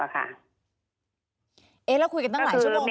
เอ๊ะแล้วคุยกันตั้งหลายชั่วโมงไม่